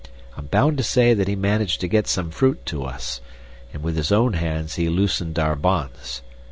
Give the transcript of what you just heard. I'm bound to say that he managed to get some fruit to us, and with his own hands he loosened our bonds.